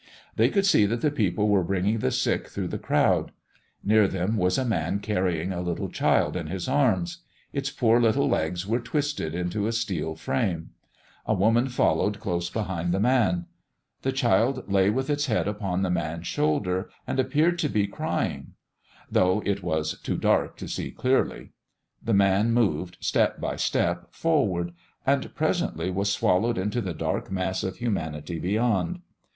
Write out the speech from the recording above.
They could see that the people were bringing the sick through the crowd. Near them was a man carrying a little child in his arms. Its poor little legs were twisted into a steel frame. A woman followed close behind the man. The child lay with its head upon the man's shoulder and appeared to be crying, though it was too dark to see clearly. The man moved, step by step, forward, and presently was swallowed into the dark mass of humanity beyond.